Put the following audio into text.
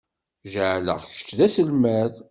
Jeɛleɣ kečč d aselmad.